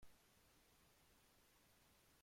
Es especialista en Metafísica y Fenomenología.